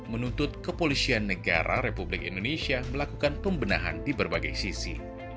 menuntut kepolisian negara republik indonesia melakukan pembenahan di berbagai sisi